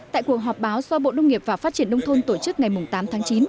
tại cuộc họp báo do bộ đông nghiệp và phát triển đông thôn tổ chức ngày tám tháng chín